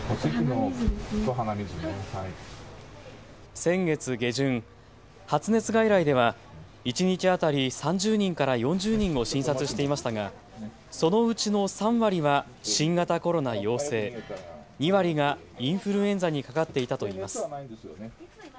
先月下旬、発熱外来では一日当たり３０人から４０人を診察していましたがそのうちの３割は新型コロナ陽性、２割がインフルエンザにかかっていたといいます。